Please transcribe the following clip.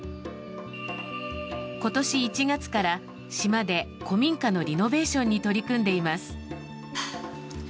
今年１月から、島で古民家のリノベーションに取り組んでいます。